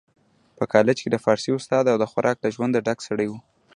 په کالج کي د فارسي استاد او خورا له ژونده ډک سړی و